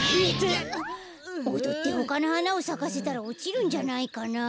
おどってほかのはなをさかせたらおちるんじゃないかな。